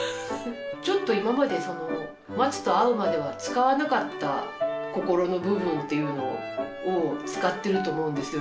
ちょっと今までその松と会うまでは使わなかった心の部分っていうのを使ってると思うんですよ